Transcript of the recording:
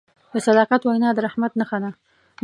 د صداقت وینا د رحمت نښه ده.